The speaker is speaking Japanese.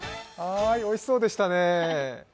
おいしそうでしたね。